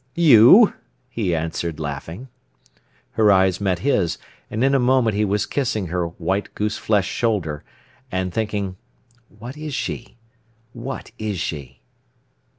"You," he answered, laughing. Her eyes met his, and in a moment he was kissing her white "goose fleshed" shoulder, and thinking: "What is she? What is she?"